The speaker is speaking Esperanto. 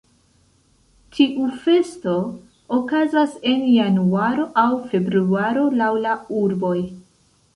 Tiu festo okazas en januaro aŭ februaro laŭ la urboj.